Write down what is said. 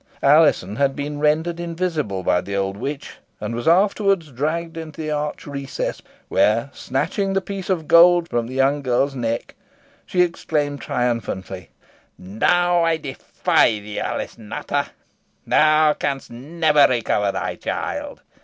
Alizon had been rendered invisible by the old witch, and was afterwards dragged into the arched recess by her, where, snatching the piece of gold from the young girl's neck, she exclaimed triumphantly "Now I defy thee, Alice Nutter. Thou canst never recover thy child.